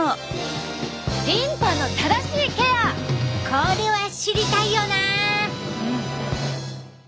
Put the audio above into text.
これは知りたいよな。